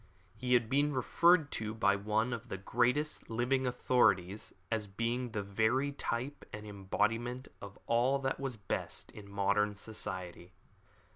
He had been referred to by one of the greatest living authorities as being the very type and embodiment of all that was best in modern science.